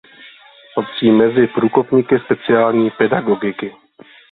Patří mezi průkopníky speciální pedagogiky.